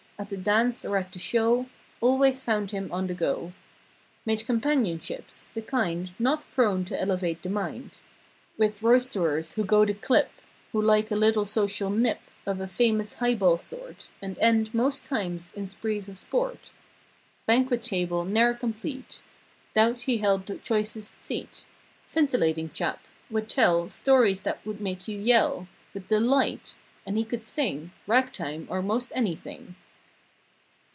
At the dance or at the show; Always found him on the go. Made companionships—the kind Not prone to elevate the mind: 236 With roysterers who go the clip; Who like a little social nip Of the famous high ball sort And end, most times, in sprees of sport. Banquet table ne'er complete 'Thout he held the choicest seat. Scintillating chap: would tell Stories that would make you yell With delight. And he could sing Rag time or most anything.